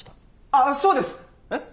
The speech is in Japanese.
ああそうです！えっ？